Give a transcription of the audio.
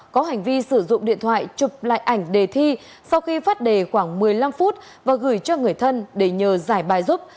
có hành vi sử dụng điện thoại chụp lại ảnh đề thi sau khi phát đề khoảng một mươi năm phút và gửi cho người thân để nhờ giải bài giúp